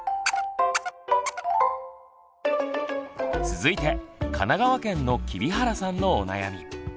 続いて神奈川県の黍原さんのお悩み。